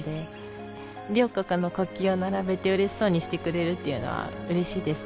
両国の国旗を並べてうれしそうにしてくれるっていうのはうれしいですね